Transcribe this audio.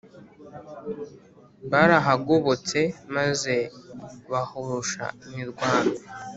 barahagobotse maze bahosha imirwano.